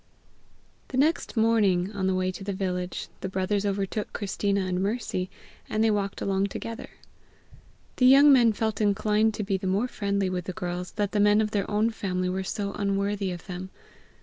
The next morning, on the way to the village, the brothers overtook Christina and Mercy, and they walked along together. The young men felt inclined to be the more friendly with the girls, that the men of their own family were so unworthy of them.